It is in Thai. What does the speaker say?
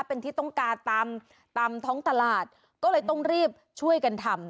เป็นที่ต้องการตามตามท้องตลาดก็เลยต้องรีบช่วยกันทำ